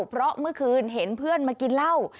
เพราะเมื่อคืนเห็นเพื่อนมากินเหล้า